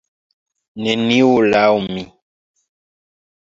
Neniu, laŭ mi.